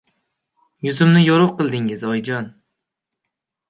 — Yuzimni yorug‘ qildingiz, oyijon...